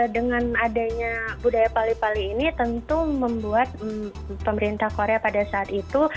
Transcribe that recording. dengan adanya budaya pali pali ini tentu membuat pemerintah korea pada saat itu